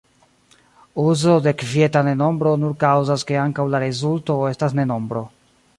Uzo de kvieta ne nombro nur kaŭzas ke ankaŭ la rezulto estas ne nombro.